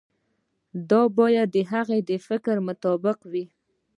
دا باید د هغه د فکر مطابق وي.